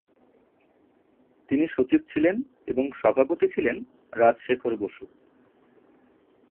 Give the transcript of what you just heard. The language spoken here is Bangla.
তিনি সচিব ছিলেন এবং সভাপতি ছিলেন রাজশেখর বসু ।